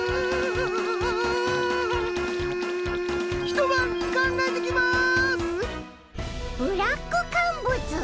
一晩考えてきます！